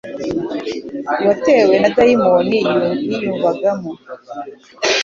uwatewe na dayimoni yiyumvagamo.